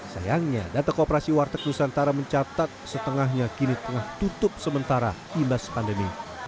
sayangnya data kooperasi warteg nusantara mencatat setengahnya kini tengah tutup sementara imbas pandemi